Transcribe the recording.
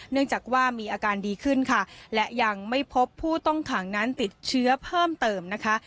เนื่องจากว่ามีอาการดีขึ้นค่ะและยังไม่พบผู้ต้องขังนั้นติดเชื้อเพิ่มเติมนะคะ